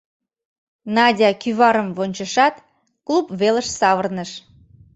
Надя кӱварым вончышат, клуб велыш савырныш.